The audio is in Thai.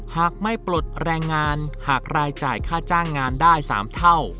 หากไม่ปลดแรงงานหากรายจ่ายค่าจ้างงานได้๓เท่า